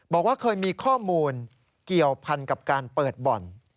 บอกว่าเคยมีข้อมูลเกี่ยวพันกับการเปิดบ่อน